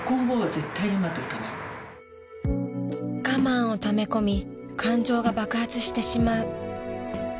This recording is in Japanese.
［我慢をため込み感情が爆発してしまう］